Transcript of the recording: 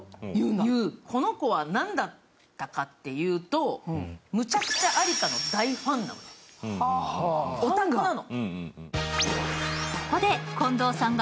この子は何だったかというとむちゃくちゃアリカの大ファンなの、オタクなの。